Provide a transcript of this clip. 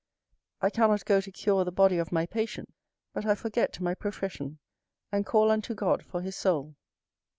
I cannot go to cure the body of my patient, but I forget my profession, and call unto God for his soul.